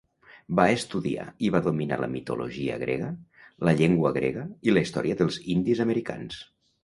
Va estudiar i va dominar la mitologia grega, la llengua grega i la història dels indis americans.